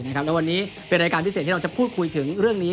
และวันนี้เป็นรายการพิเศษที่เราจะพูดคุยถึงเรื่องนี้